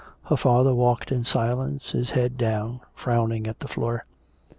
Her father walked in silence, his head down, frowning at the floor.